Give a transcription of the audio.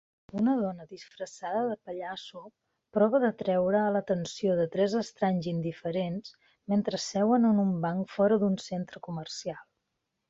Una dona disfressada de pallasso prova d'atreure l'atenció de tres estranys indiferents mentre seuen en un banc fora d'un centre comercial